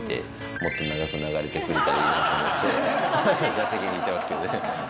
打席に行ってますけどね。